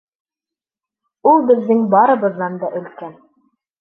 Ул беҙҙең барыбыҙҙан да өлкән.